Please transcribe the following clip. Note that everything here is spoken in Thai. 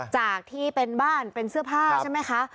จากที่เป็นบ้านเป็นเสื้อผ้าใช่ไหมคะ